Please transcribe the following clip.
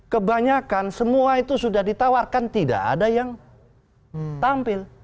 kebanyakan semua itu sudah ditawarkan tidak ada yang tampil